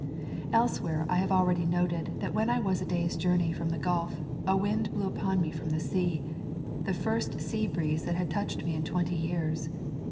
Elsewhere I have already noted that when I was a day's journey from the Gulf, a wind blew upon me from the sea— the first sea breeze that had touched me in twenty years.